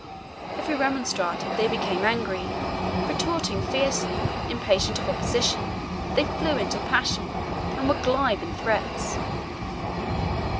If we remonstrated they became angry; retorting fiercely, impatient of opposition, they flew into a passion, and were glib in threats.